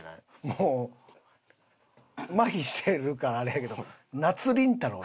もうまひしてるからあれやけど夏りんたろー。